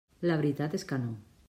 La veritat és que no.